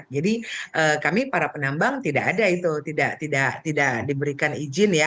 jadi kami para penambang tidak ada itu tidak diberikan izin ya